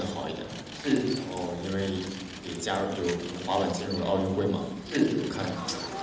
เป็นหลักทำงานของเรียนแกง